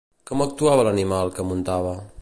Com actuava l'animal que muntava?